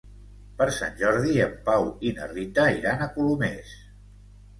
Per Sant Jordi en Pau i na Rita iran a Colomers.